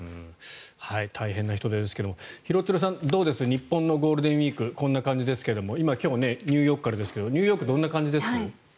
大変な人出ですが廣津留さん、どうですか日本のゴールデンウィークこんな感じですけれども今、今日はニューヨークからですがニューヨークはどんな感じですか？